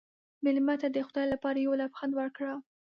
مېلمه ته د خدای لپاره یو لبخند ورکړه.